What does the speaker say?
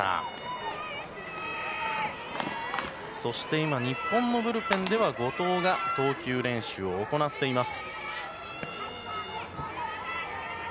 今、日本のブルペンでは後藤が投球練習を行っています。